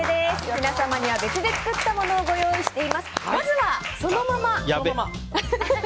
皆様には別で作ったものをご用意しております。